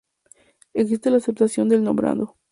Exige la aceptación del nombrado.